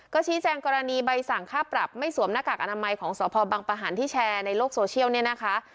ก็ชี้แจงกรณีใบสั่งค่าปรับไม่สวมหน้ากากอนามัยของสพบังปะหันที่แชร์ในโลกโซเชียลเนี่ยนะคะ